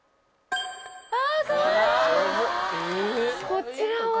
こちらは。